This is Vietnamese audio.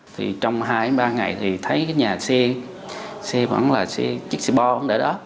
thì trong hai ba ngày thì thấy cái nhà xe xe vẫn là chiếc xe bò cũng để đó